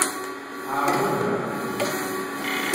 Ɛṛeḍ ugar.